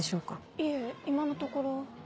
いえ今のところ。